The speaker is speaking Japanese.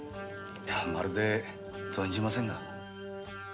まるで存じませんが。